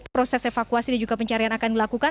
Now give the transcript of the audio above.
proses evakuasi dan juga pencarian akan dilakukan